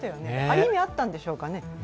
意味あったんでしょうかね。